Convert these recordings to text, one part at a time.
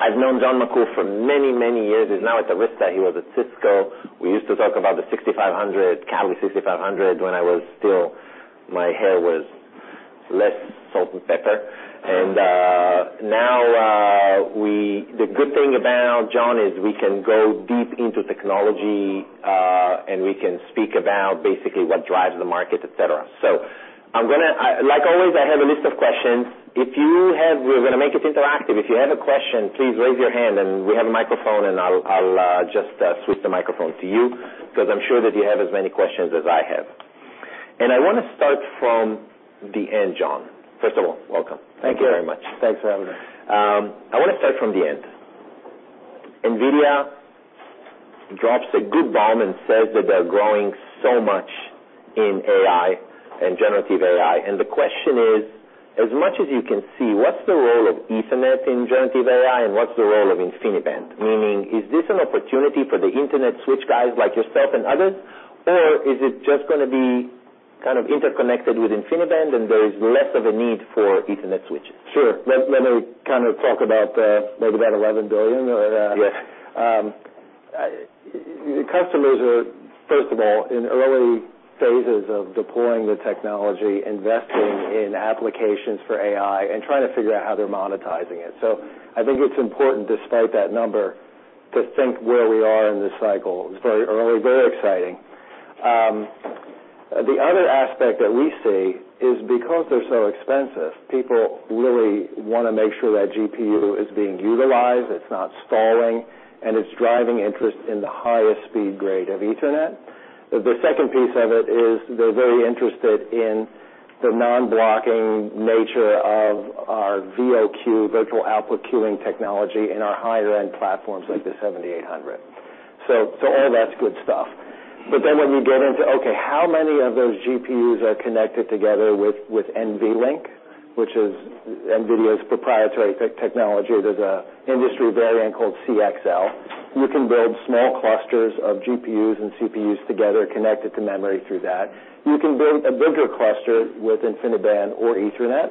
I've known John McCool for many, many years. He's now at Arista. He was at Cisco. We used to talk about the 6500, Catalyst 6500, when my hair was less salt and pepper. Now, the good thing about John is we can go deep into technology, and we can speak about basically what drives the market, et cetera. Like always, I have a list of questions. We're going to make it interactive. If you have a question, please raise your hand, and we have a microphone, and I'll just switch the microphone to you, because I'm sure that you have as many questions as I have. I want to start from the end, John. First of all, welcome. Thank you. Thank you very much. Thanks for having me. I want to start from the end. NVIDIA drops a good bomb and says that they're growing so much in AI and generative AI. The question is: as much as you can see, what's the role of Ethernet in generative AI, and what's the role of InfiniBand? Meaning, is this an opportunity for the Ethernet switch guys like yourself and others, or is it just going to be kind of interconnected with InfiniBand, and there is less of a need for Ethernet switches? Sure. Let me kind of talk about maybe that $11 billion or. Yes. Customers are, first of all, in early phases of deploying the technology, investing in applications for AI and trying to figure out how they're monetizing it. I think it's important, despite that number, to think where we are in this cycle. It's very early, very exciting. The other aspect that we see is because they're so expensive, people really want to make sure that GPU is being utilized, it's not stalling, and it's driving interest in the highest speed grade of Ethernet. The second piece of it is they're very interested in the non-blocking nature of our VOQ, virtual output queuing technology, in our higher-end platforms, like the 7800. All that's good stuff. When you get into how many of those GPUs are connected together with NVLink, which is NVIDIA's proprietary technology, there's a industry variant called CXL. You can build small clusters of GPUs and CPUs together connected to memory through that. You can build a bigger cluster with InfiniBand or Ethernet,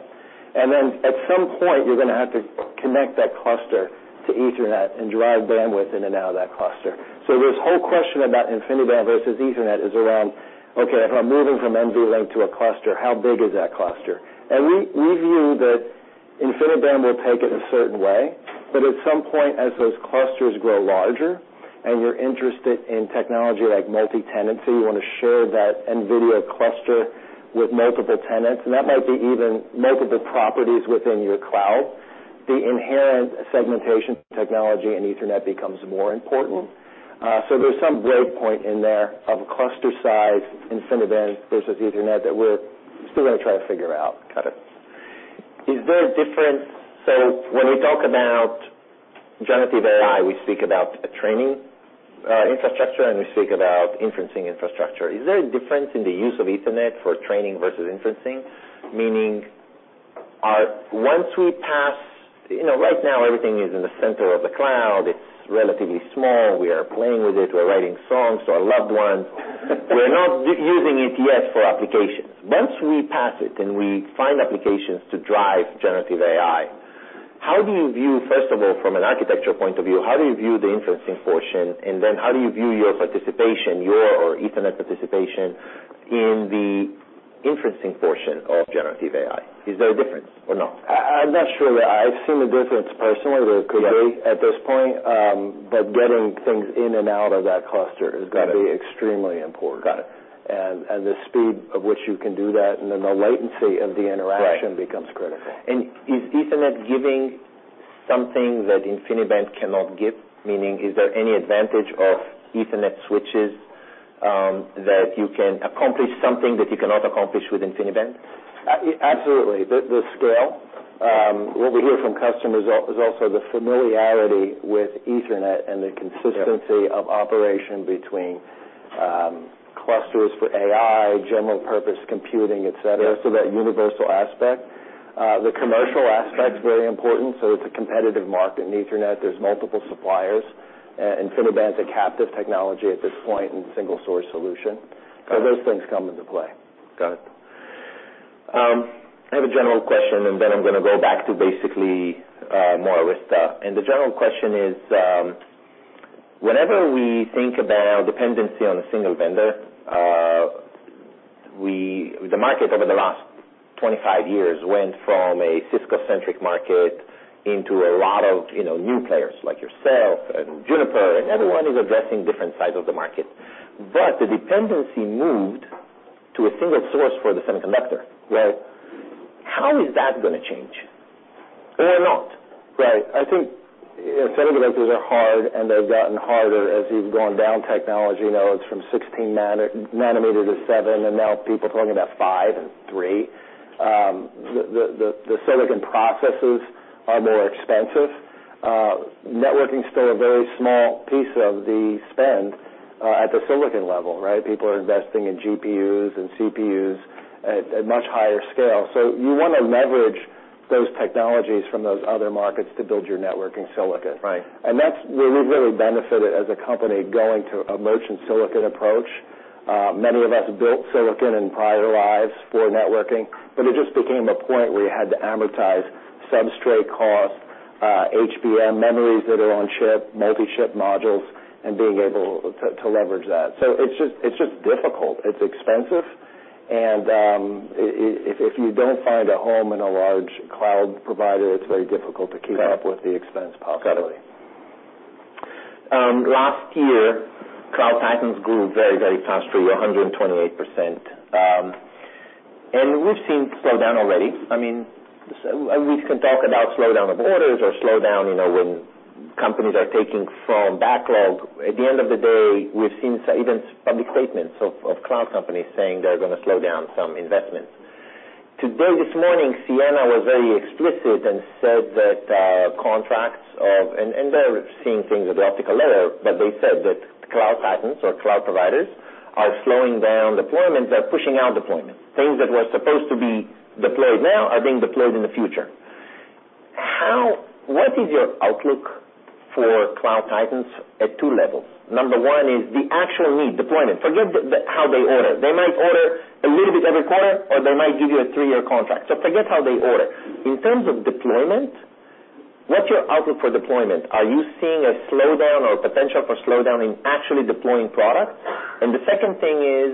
and then at some point, you're going to have to connect that cluster to Ethernet and drive bandwidth in and out of that cluster. This whole question about InfiniBand versus Ethernet is around, okay, if I'm moving from NVLink to a cluster, how big is that cluster? We view that InfiniBand will take it a certain way, but at some point, as those clusters grow larger and you're interested in technology like multi-tenancy, you want to share that NVIDIA cluster with multiple tenants, and that might be even multiple properties within your Cloud, the inherent segmentation technology in Ethernet becomes more important. There's some breakpoint in there of cluster size InfiniBand versus Ethernet that we're still going to try to figure out, kind of. When we talk about generative AI, we speak about a training infrastructure, and we speak about inferencing infrastructure. Is there a difference in the use of Ethernet for training versus inferencing? Meaning, You know, right now, everything is in the center of the Cloud. It's relatively small. We are playing with it. We're writing songs to our loved ones. We're not using it yet for applications. Once we pass it and we find applications to drive generative AI, how do you view, first of all, from an architectural point of view, how do you view the inferencing portion, and then how do you view your participation, your Ethernet participation, in the inferencing portion of generative AI? Is there a difference or not? I'm not sure that I've seen a difference personally, but it could be at this point. Getting things in and out of that cluster is going to be extremely important. Got it. The speed of which you can do that and then the latency of the interaction.becomes critical. Is Ethernet giving something that InfiniBand cannot give? Meaning, is there any advantage of Ethernet switches, that you can accomplish something that you cannot accomplish with InfiniBand? Absolutely. The scale. What we hear from customers is also the familiarity with Ethernet and the consistency. of operation between clusters for AI, general purpose computing, et cetera. That universal aspect. The commercial aspect's very important, so it's a competitive market in Ethernet. There's multiple suppliers, and InfiniBand's a captive technology at this point and single-source solution. Got it. Those things come into play. Got it. I have a general question, and then I'm going to go back to basically, more Arista. The general question is, whenever we think about dependency on a single vendor, the market over the last 25 years went from a Cisco-centric market into a lot of, you know, new players like yourself and Juniper, and everyone is addressing different sides of the market. The dependency moved to a single source for the semiconductor, right? How is that going to change? They're not. Right. I think semiconductors are hard, and they've gotten harder as you've gone down technology nodes from 16 nm to 7 nm, and now people are talking about 5 nm and 3 nm. The silicon processes are more expensive. Networking's still a very small piece of the spend at the silicon level, right? People are investing in GPUs and CPUs at much higher scale. You want to leverage those technologies from those other markets to build your networking silicon. Right. That's where we've really benefited as a company, going to a merchant silicon approach. Many of us built silicon in prior lives for networking. It just became a point where you had to amortize substrate costs, HBM memories that are on chip, multi-chip modules, and being able to leverage that. It's just difficult. It's expensive, and if you don't find a home in a large Cloud provider, it's very difficult to keep up with the expense possibly. Got it. Last year, Cloud patterns grew very, very fast for you, 128%. We've seen slowdown already. I mean, we can talk about slowdown of orders or slowdown, you know, when companies are taking from backlog. At the end of the day, we've seen even public statements of Cloud companies saying they're gonna slow down some investments. Today, this morning, Ciena was very explicit and said that contracts and they're seeing things with optical layer, they said that Cloud patterns or Cloud providers are slowing down deployments. They're pushing out deployments. Things that were supposed to be deployed now are being deployed in the future. What is your outlook for Cloud Titans at two levels? Number one is the actual need, deployment. Forget the, how they order. They might order a little bit every quarter, or they might give you a three-year contract. Forget how they order. In terms of deployment, what's your outlook for deployment? Are you seeing a slowdown or potential for slowdown in actually deploying products? The second thing is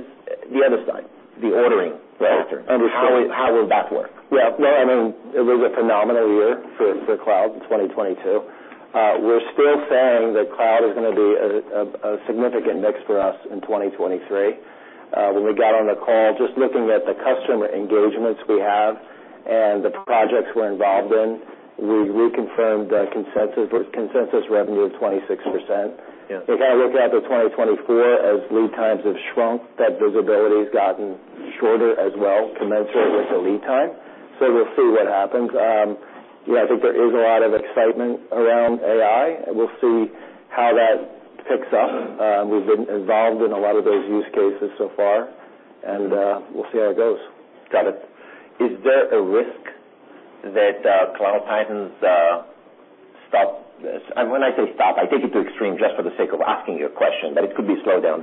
the other side, the ordering factor. Understood. How will that work? Well, I mean, it was a phenomenal year for Cloud in 2022. We're still saying that Cloud is gonna be a significant mix for us in 2023. When we got on the call, just looking at the customer engagements we have and the projects we're involved in, we reconfirmed our consensus with consensus revenue of 26%. We kind of look out to 2024 as lead times have shrunk, that visibility's gotten shorter as well, commensurate with the lead time. We'll see what happens. Yeah, I think there is a lot of excitement around AI, and we'll see how that picks up. We've been involved in a lot of those use cases so far, and we'll see how it goes. Got it. Is there a risk that Cloud Titans stop this? When I say stop, I take it to extreme just for the sake of asking you a question, but it could be slowed down.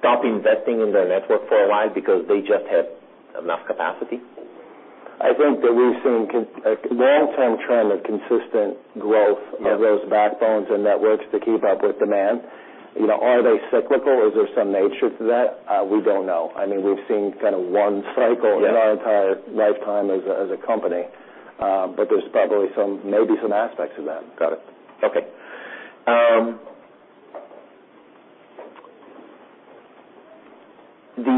Stop investing in their network for a while because they just have enough capacity? I think that we've seen a long-term trend of consistent growth of those backbones and networks to keep up with demand. You know, are they cyclical? Is there some nature to that? We don't know. I mean, we've seen kind of one. in our entire lifetime as a, as a company, but there's probably some, maybe some aspects of that. Got it. Okay. The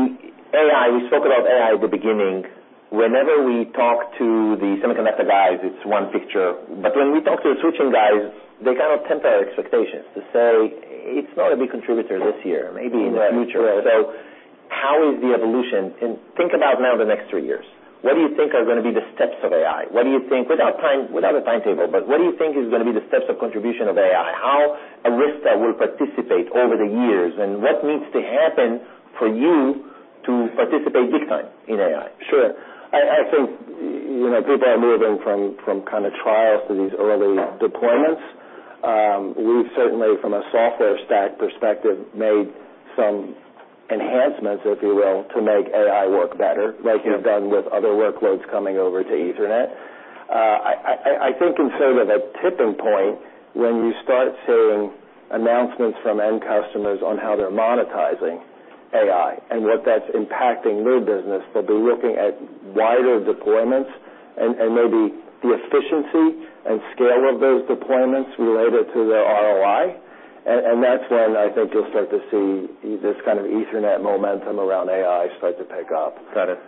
AI, we spoke about AI at the beginning. Whenever we talk to the semiconductor guys, it's one picture, but when we talk to the switching guys, they kind of temper our expectations to say, "It's not a big contributor this year, maybe in the future. Right. Right. How is the evolution? Think about now the next three years. What do you think are gonna be the steps of AI? Without time, without a timetable, but what do you think is gonna be the steps of contribution of AI? How Arista will participate over the years, and what needs to happen for you to participate big time in AI? Sure. I think, you know, people are moving from kind of trials to these early deployments. We've certainly, from a software stack perspective, made some enhancements, if you will, to make AI work better. Like we've done with other workloads coming over to Ethernet. I think instead of a tipping point, when you start seeing announcements from end customers on how they're monetizing AI and what that's impacting new business, they'll be looking at wider deployments and maybe the efficiency and scale of those deployments related to their ROI. That's when I think you'll start to see this kind of Ethernet momentum around AI start to pick up. Got it.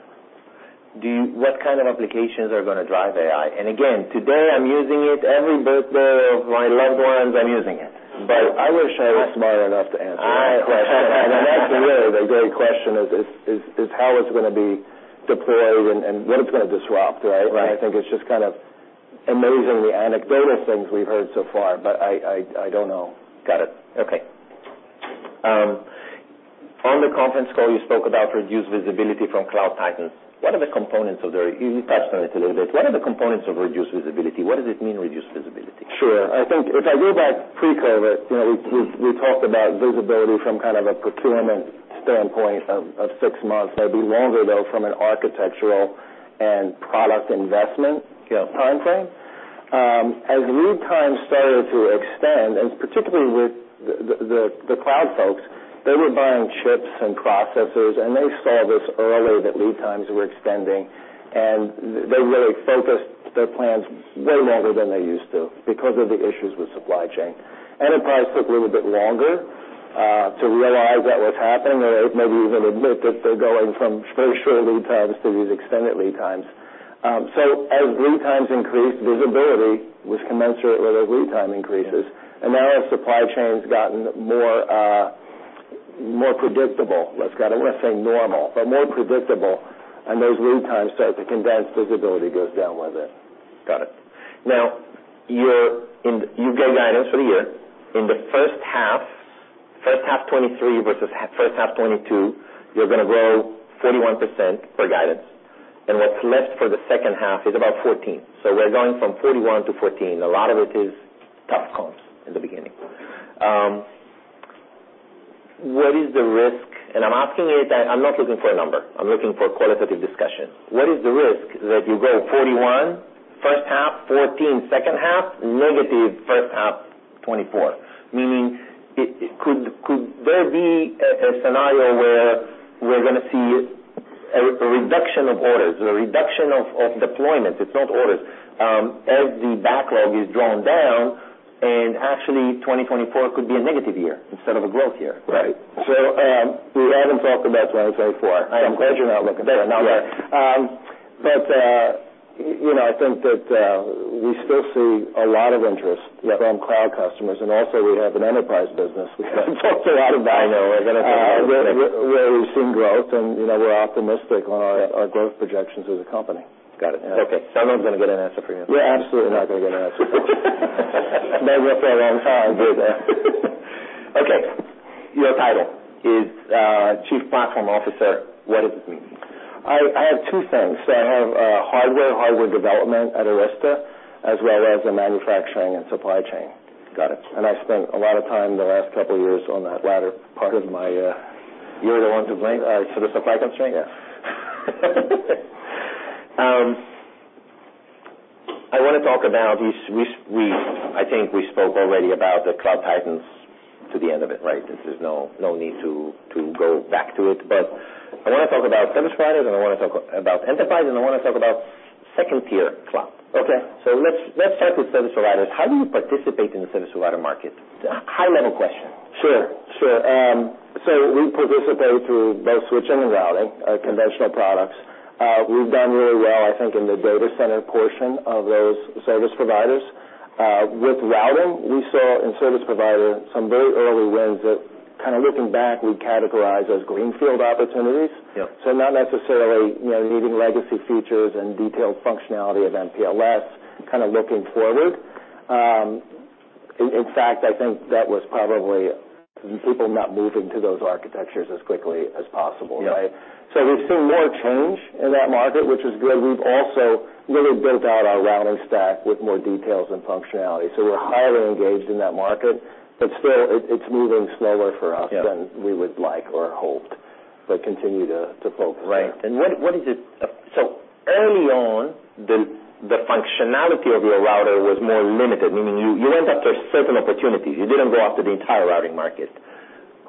What kind of applications are gonna drive AI? Again, today, I'm using it. Every birthday of my loved ones, I'm using it. I wish I was smart enough to answer that question. That's really the great question is, how it's gonna be deployed and what it's gonna disrupt, right? Right. I think it's just kind of amazingly anecdotal things we've heard so far, but I don't know. Got it. Okay. On the conference call, you spoke about reduced visibility from Cloud Titans. You touched on it a little bit. What are the components of reduced visibility? What does it mean, reduced visibility? Sure. I think if I go back pre-COVID, we talked about visibility from kind of a procurement standpoint of six months. Maybe longer, though, from an architectural and product investment time frame. As lead times started to extend, and particularly with the Cloud folks, they were buying chips and processors, and they saw this earlier, that lead times were extending, and they really focused their plans way longer than they used to because of the issues with supply chain. Enterprise took a little bit longer to realize what was happening or maybe even admit that they're going from very short lead times to these extended lead times. As lead times increased, visibility was commensurate with those lead time increases. Yeah. Now as supply chain's gotten more, more predictable, let's say, I don't want to say normal, but more predictable, and those lead times start to condense, visibility goes down with it. Got it. Now, You've gave guidance for the year. In the first half, first half 2023 versus first half 2022, you're gonna grow 41% per guidance. What's left for the second half is about 14%. We're going from 41% to 14%. A lot of it is tough comps in the beginning. What is the risk, and I'm asking it, I'm not looking for a number, I'm looking for a qualitative discussion. What is the risk that you go 41% first half, 14% second half, negative first half 2024? Meaning, it, could there be a scenario where we're gonna see a reduction of orders, a reduction of deployments, it's not orders, as the backlog is drawn down, and actually, 2024 could be a negative year instead of a growth year? Right. We haven't talked about 2024. I'm glad you're not looking for a number. Yeah. You know, I think that, we still see a lot of interest. From Cloud customers, and also we have an enterprise business. It's also not a binary, then again. Where we've seen growth, and, you know, we're optimistic on our growth projections as a company. Got it. Yeah. Okay. I'm not gonna get an answer from you. You're absolutely not gonna get an answer. Been working for a long time to do that. Okay. Your title is Chief Platform Officer. What does it mean? I have two things. I have hardware development at Arista, as well as the manufacturing and supply chain. Got it. I spent a lot of time in the last couple of years on that latter part of my. You're the one to blame, for the supply constraint? Yes. I wanna talk about I think we spoke already about the Cloud Titans to the end of it, right? There's just no need to go back to it. I wanna talk about service providers, and I wanna talk about enterprise, and I wanna talk about second-tier Cloud. Okay. Let's start with service providers. How do you participate in the service provider market? High-level question. Sure, sure. We participate through both switching and routing, conventional products. We've done really well, I think, in the data center portion of those service providers. With routing, we saw in service provider some very early wins that, kind of looking back, we'd categorize as greenfield opportunities. Not necessarily, you know, needing legacy features and detailed functionality of MPLS, kind of looking forward. In fact, I think that was probably people not moving to those architectures as quickly as possible, right? Yeah. We've seen more change in that market, which is good. We've also really built out our routing stack with more details and functionality, so we're highly engaged in that market, but still, it's moving slower for us than we would like or hoped, but continue to focus. Right. Early on, the functionality of your router was more limited, meaning you went after certain opportunities. You didn't go after the entire routing market.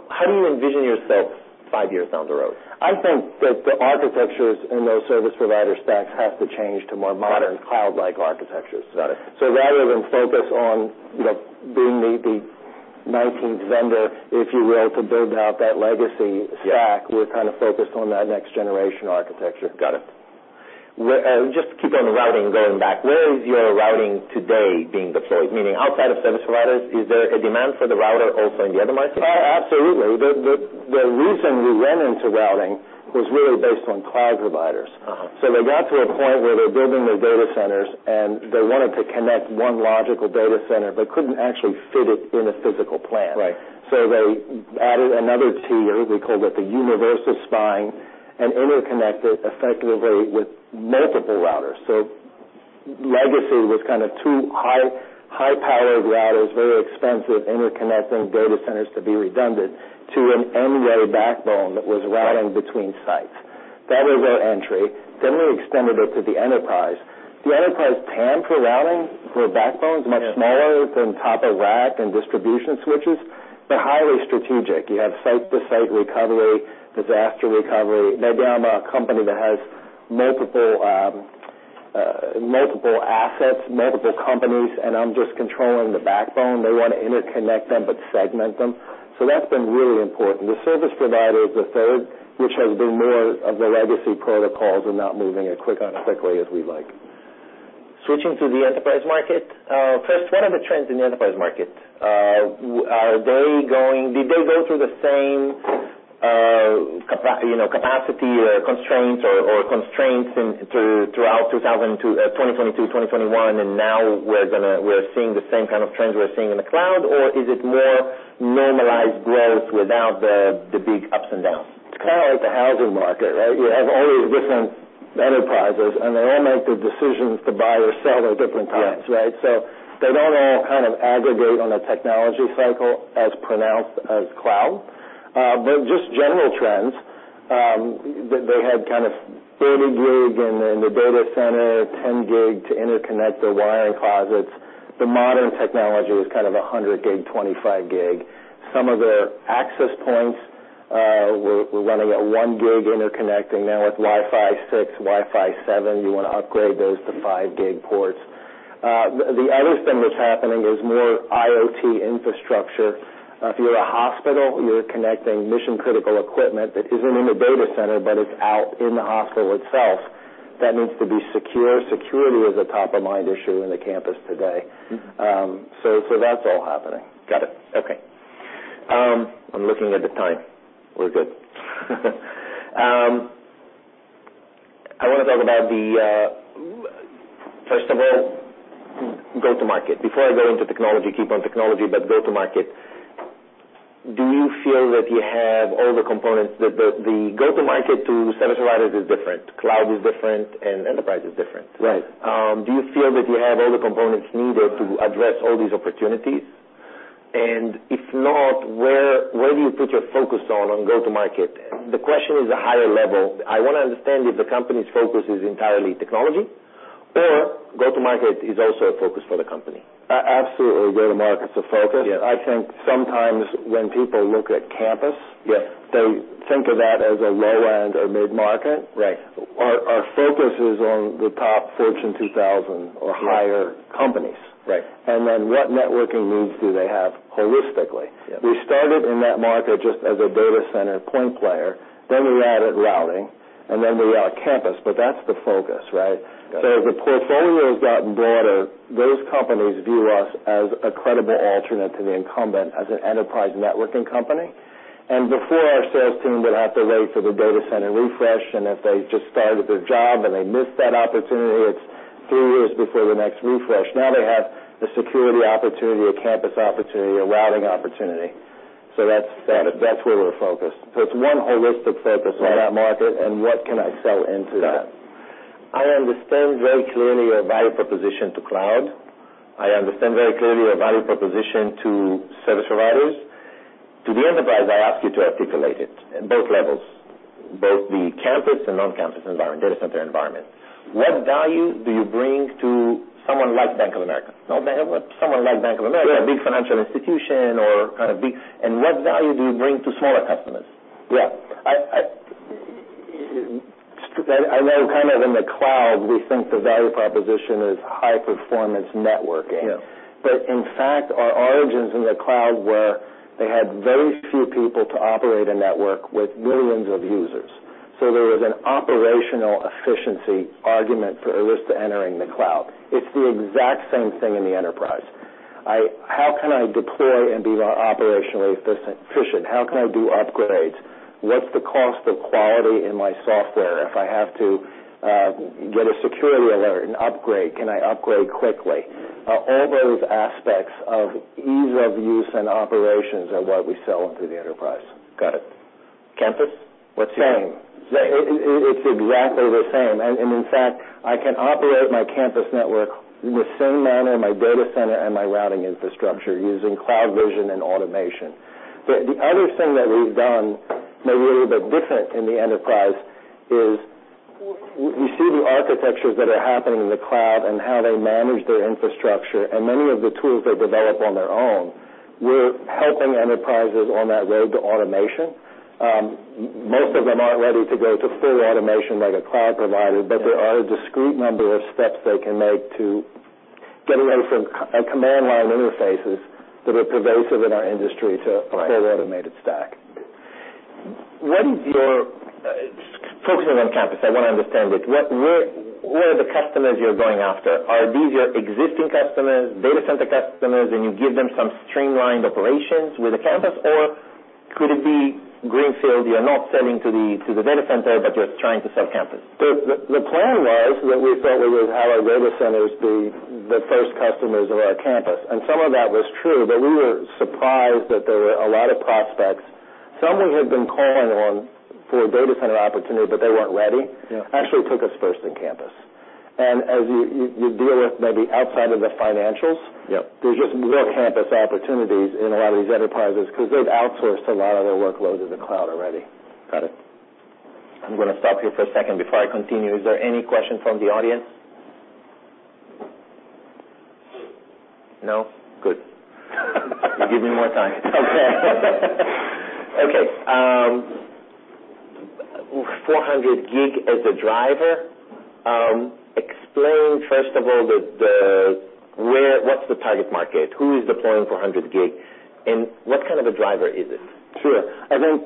How do you envision yourself five years down the road? I think that the architectures in those service provider stacks have to change to more modern Cloud-like architectures. Got it. So, rather than focus on, you know, being the 19th vendor, if you will, to build out that legacy stack... Yeah We're kind of focused on that next generation architecture. Got it. Where, just to keep on routing and going back, where is your routing today being deployed? Meaning outside of service providers, is there a demand for the router also in the other markets? Absolutely. The reason we went into routing was really based on Cloud providers. They got to a point where they're building their data centers, and they wanted to connect one logical data center, but couldn't actually fit it in a physical plan. Right. They added another tier. We called it the Universal Spine, and interconnected effectively with multiple routers. Legacy was kind of two high, high-powered routers, very expensive, interconnecting data centers to be redundant to an N-way backbone that was routing between sites. That was our entry. We extended it to the enterprise. The enterprise PAN for routing, for backbone is much smaller than top of rack and distribution switches, but highly strategic. You have site-to-site recovery, disaster recovery. Maybe I'm a company that has multiple assets, multiple companies, and I'm just controlling the backbone. They want to interconnect them, but segment them. That's been really important. The service provider is the third, which has been more of the legacy protocols and not moving as quick on, quickly as we'd like. Switching to the enterprise market, first, what are the trends in the enterprise market? Did they go through the same, you know, capacity, constraints or constraints in, throughout 2000 to, 2022, 2021, and now we're seeing the same kind of trends we're seeing in the Cloud, or is it more normalized growth without the big ups and downs? It's kind of like the housing market, right? You have all these different enterprises, and they all make the decisions to buy or sell at different times, right? They don't all kind of aggregate on a technology cycle as pronounced as Cloud. Just general trends, they had kind of 30 Gb in the data center, 10 Gb to interconnect their wiring closets. The modern technology was kind of 100 Gb, 25 Gb. Some of the access points were running at 1 Gb interconnect, and now with Wi-Fi 6, Wi-Fi 7, you wanna upgrade those to 5 Gb ports. The other thing that's happening is more IoT infrastructure. If you're a hospital, you're connecting mission-critical equipment that isn't in the data center, but it's out in the hospital itself. That needs to be secure. Security is a top-of-mind issue in the campus today. That's all happening. Got it. Okay. I'm looking at the time. We're good. I wanna talk about the go-to-market. Before I go into technology, keep on technology, but go-to-market, do you feel that you have all the components that the go-to-market to service providers is different, Cloud is different, and enterprise is different? Right. Do you feel that you have all the components needed to address all these opportunities? If not, where do you put your focus on go-to-market? The question is a higher level. I want to understand if the company's focus is entirely technology, or go-to-market is also a focus for the company. Absolutely, go-to-market's a focus. Yeah. I think sometimes when people look at campus- Yes. They think of that as a low end or mid-market. Right. Our focus is on the top Forbes Global 2000 or higher companies. Right. What networking needs do they have holistically? We started in that market just as a data center point player, then we added routing, and then we added campus, but that's the focus, right? Got it. As the portfolio has gotten broader, those companies view us as a credible alternate to the incumbent, as an enterprise networking company. Before, our sales team would have to wait for the data center refresh, and if they just started their job and they missed that opportunity, it's three years before the next refresh. Now they have a security opportunity, a campus opportunity, a routing opportunity. That's. Got it. That's where we're focused. It's one holistic focus on that market, and what can I sell into that? I understand very clearly your value proposition to Cloud. I understand very clearly your value proposition to service providers. To the enterprise, I ask you to articulate it, both levels, both the campus and non-campus environment, data center environment. What value do you bring to someone like Bank of America? Not someone like Bank of America, a big financial institution or kind of big? What value do you bring to smaller customers? Yeah. I know kind of in the Cloud, we think the value proposition is high-performance networking. Yeah. In fact, our origins in the Cloud were, they had very few people to operate a network with millions of users. There was an operational efficiency argument for Arista entering the Cloud. It's the exact same thing in the enterprise. How can I deploy and be operationally efficient? How can I do upgrades? What's the cost of quality in my software if I have to, get a security alert and upgrade, can I upgrade quickly? All those aspects of ease of use and operations are what we sell into the enterprise. Got it. Campus, what's same? Same. It's exactly the same. In fact, I can operate my campus network in the same manner, my data center and my routing infrastructure, using CloudVision and automation. The other thing that we've done, maybe a little bit different in the enterprise, is we see the architectures that are happening in the Cloud and how they manage their infrastructure, and many of the tools they develop on their own, we're helping enterprises on that road to automation. Most of them aren't ready to go to full automation like a Cloud provider, but there are a discrete number of steps they can make to get away from command line interfaces that are pervasive in our industry to a full automated stack. Focusing on campus, I want to understand it. Where are the customers you're going after? Are these your existing customers, data center customers, and you give them some streamlined operations with the campus? Could it be greenfield, you're not selling to the data center, but you're trying to sell campus? The plan was that we thought we would have our data centers be the first customers of our campus, and some of that was true, but we were surprised that there were a lot of prospects. Some of them had been calling on for a data center opportunity, but they weren't ready. Yeah. Actually took us first in campus. as you deal with maybe outside of the financials. Yep. There's just more campus opportunities in a lot of these enterprises, because they've outsourced a lot of their workloads to the Cloud already. Got it. I'm going to stop here for a second before I continue. Is there any question from the audience? No? Good. You give me more time. 400 Gb as a driver, explain, first of all, the, what's the target market? Who is deploying 400 Gb, and what kind of a driver is it? Sure. I think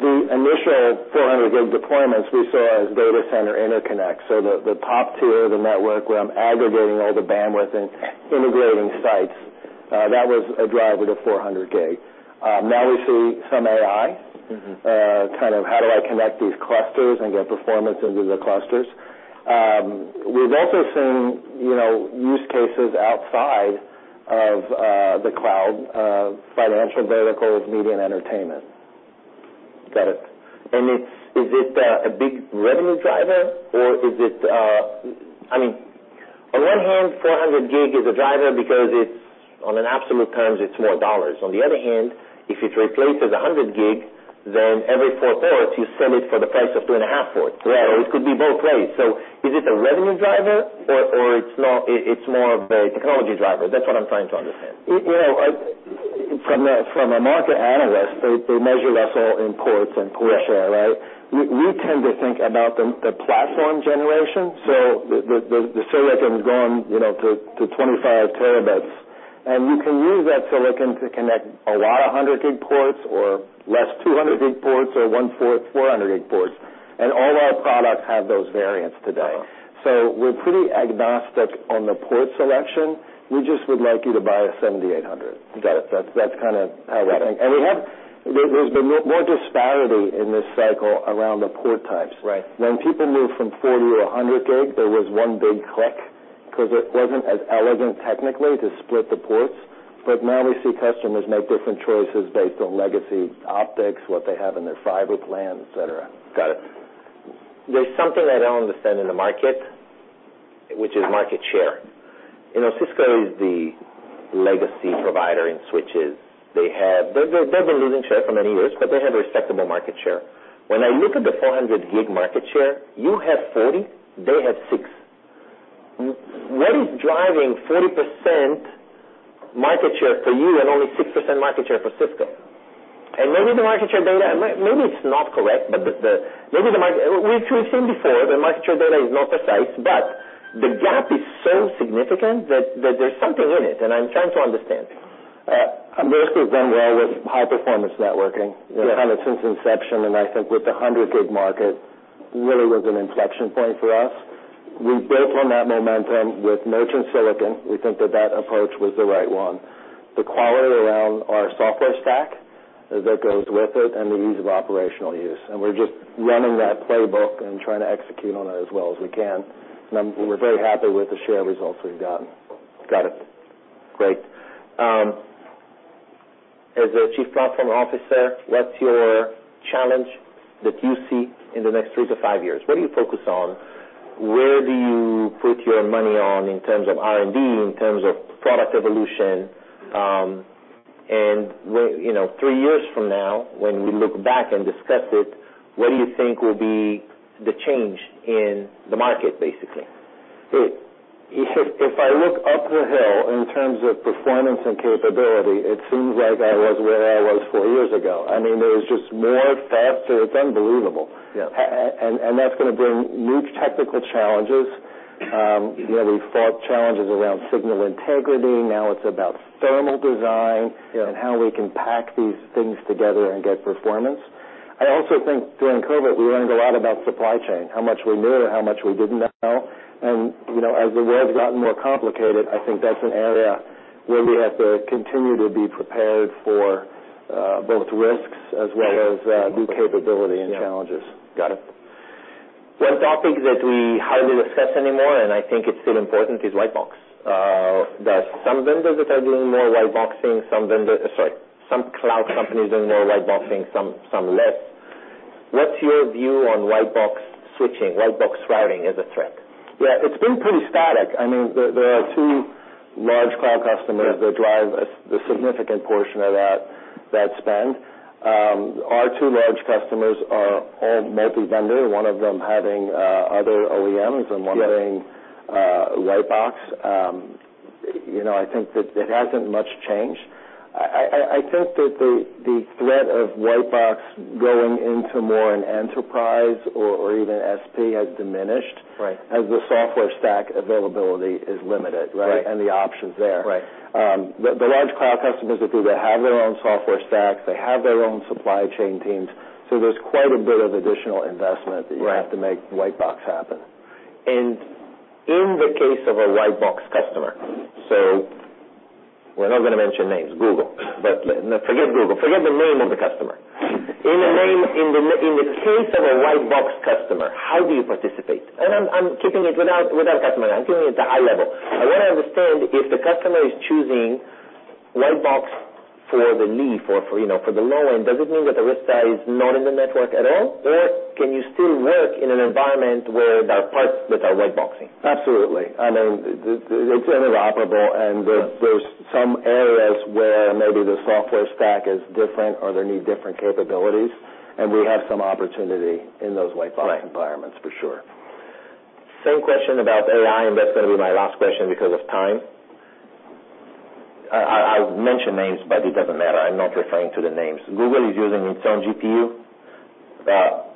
the initial 400 Gb deployments we saw as data center interconnect. The, the top tier of the network, where I'm aggregating all the bandwidth and integrating sites, that was a driver to 400 Gb. Now we see some AI. kind of how do I connect these clusters and get performance into the clusters? We've also seen, you know, use cases outside of the Cloud, financial, verticals, media, and entertainment. Got it. Is it a big revenue driver, or is it... I mean, on one hand, 400 Gb is a driver because it's, on an absolute terms, it's more dollars. On the other hand, if it replaces 100 Gb, then every four ports, you sell it for the price of two and a half ports. Right. It could be both ways. Is it a revenue driver or it's more of a technology driver? That's what I'm trying to understand. You know, From a market analyst, they measure us all in ports and port share, right? Yeah. We tend to think about the platform generation. The silicon's gone, you know, to 25 Tb, you can use that silicon to connect a lot of 100 Gb ports or less 200 Gb ports or one fourth 400 Gb ports. All our products have those variants today. Right. We're pretty agnostic on the port selection. We just would like you to buy a 7800. Got it. That's. There's been more disparity in this cycle around the port types. Right. When people moved from 40 Gb to 100 Gb, there was one big click. 'cause it wasn't as elegant technically to split the ports, but now we see customers make different choices based on legacy optics, what they have in their fiber plan, et cetera. Got it. There's something I don't understand in the market, which is market share. You know, Cisco is the legacy provider in switches. They've been losing share for many years, but they have a respectable market share. When I look at the 400 Gb market share, you have 40%, they have 6%. What is driving 40% market share for you and only 6% market share for Cisco? Maybe the market share data, maybe it's not correct, but we've seen before, the market share data is not precise, but the gap is so significant that there's something in it, and I'm trying to understand. Arista has done well with high-performance networking. Yes. Kind of since inception, and I think with the 100 Gb market, really was an inflection point for us. We built on that momentum with merchant silicon. We think that that approach was the right one. The quality around our software stack, that goes with it, and the ease of operational use, and we're just running that playbook and trying to execute on it as well as we can. We're very happy with the share results we've gotten. Got it. Great. As a Chief Platform Officer, what's your challenge that you see in the next three to five years? What do you focus on? Where do you put your money on in terms of R&D, in terms of product evolution? Where, you know, three years from now, when we look back and discuss it, what do you think will be the change in the market, basically? If I look up the hill in terms of performance and capability, it seems like I was where I was four years ago. I mean, there is just more faster. It's unbelievable. Yeah. That's gonna bring new technical challenges. You know, we've fought challenges around signal integrity. Now it's about thermal design and how we can pack these things together and get performance. I also think during COVID, we learned a lot about supply chain, how much we knew and how much we didn't know. You know, as the world's gotten more complicated, I think that's an area where we have to continue to be prepared for, both risks as well as new capability and challenges. Got it. One topic that we hardly discuss anymore, and I think it's still important, is white box. There are some vendors that are doing more white boxing, some Cloud companies doing more white boxing, some less. What's your view on white box switching, white box routing as a threat? Yeah, it's been pretty static. I mean, there are two large Cloud customers that drive a significant portion of that spend. Our two large customers are all multi-vendor, one of them having other OEMs. Yeah One having, white box. You know, I think that there hasn't much changed. I think that the threat of white box going into more an enterprise or even SP has diminished. Right As the software stack availability is limited, right? Right. The options there. Right. The large Cloud customers, if they have their own software stacks, they have their own supply chain teams, so there's quite a bit of additional investment. that you have to make White Box happen. In the case of a White Box customer, so we're not gonna mention names, Google. Forget Google. Forget the name of the customer. In the case of a white box customer, how do you participate? I'm keeping it without customer. I'm keeping it at a high level. I want to understand, if the customer is choosing white box for the leaf or for, you know, for the low end, does it mean that Arista is not in the network at all? Can you still work in an environment where there are parts that are white boxing? Absolutely. I mean, it's interoperable, there's some areas where maybe the software stack is different or they need different capabilities, we have some opportunity in those White Box environments, for sure. Same question about AI. That's gonna be my last question because of time. I've mentioned names, but it doesn't matter. I'm not referring to the names. Google is using its own GPU.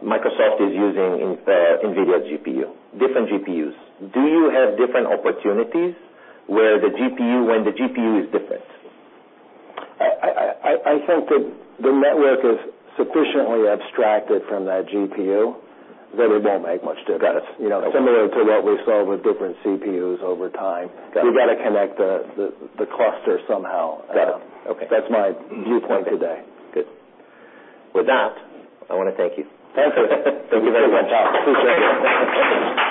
Microsoft is using NVIDIA GPU, different GPUs. Do you have different opportunities where the GPU, when the GPU is different? I think that the network is sufficiently abstracted from that GPU, that it won't make much difference. Got it. You know, similar to what we saw with different CPUs over time. Got it. We've got to connect the cluster somehow. Got it. Okay. That's my viewpoint today. Good. With that, I wanna thank you. Thank you. Thank you very much. Appreciate it.